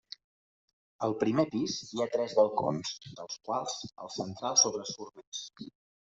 Al primer pis hi ha tres balcons, dels quals el central sobresurt més.